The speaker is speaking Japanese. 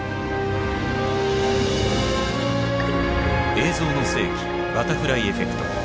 「映像の世紀バタフライエフェクト」。